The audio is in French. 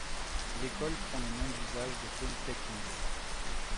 L'école prend le nom d'usage de Polytech Lille.